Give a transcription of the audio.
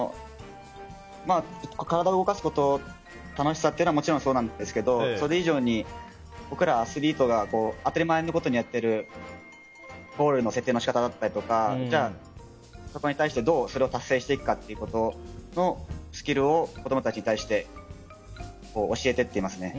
体を動かす楽しさはもちろんそうなんですけどそれ以上に僕らアスリートが当たり前のようにやっているゴールへの設定の仕方とかそこに対してどうそれを達成していくかのスキルを子供たちに対して教えていっていますね。